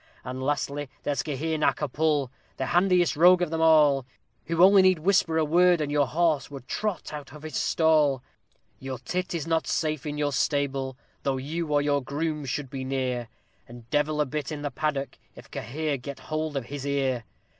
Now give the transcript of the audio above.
And lastly, there's CAHIR NA CAPPUL, the handiest rogue of them all, Who only need whisper a word, and your horse will trot out of his stall; Your tit is not safe in your stable, though you or your groom should be near, And devil a bit in the paddock, if CAHIR gets hould of his ear.